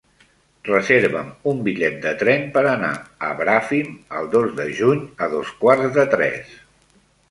Reserva'm un bitllet de tren per anar a Bràfim el dos de juny a dos quarts de tres.